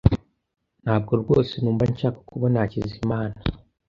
Ntabwo rwose numva nshaka kubona Hakizimana .